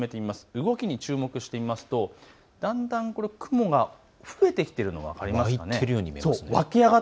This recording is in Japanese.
動きに注目してみますとだんだん雲が増えてきているのが分かりますか。